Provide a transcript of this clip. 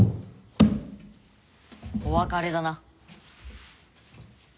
お別れだな。